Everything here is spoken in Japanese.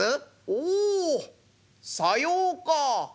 「おおさようか」。